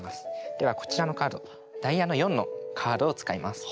ではこちらのカードダイヤの４のカードを使います。